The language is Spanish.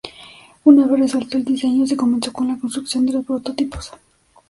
Una vez resuelto el diseño, se comenzó con la construcción de los prototipos.